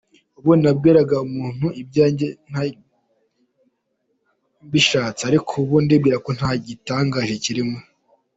Ubundi nabwiraga umuntu ibyanjye mbishatse, ariko ndibwira ko nta gitangaje kirimo.